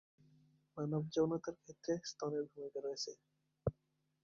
মানব যৌনতার ক্ষেত্রে স্তনের ভূমিকা রয়েছে।